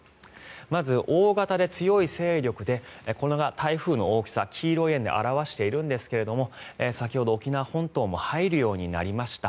まず大型で強い勢力でこれが台風の大きさ黄色い円で表しているんですが先ほど沖縄本島も入るようになりました。